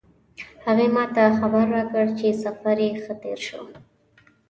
هغې ما ته خبر راکړ چې سفر یې ښه تیر شو